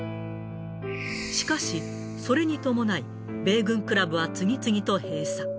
しかし、それに伴い米軍クラブは次々と閉鎖。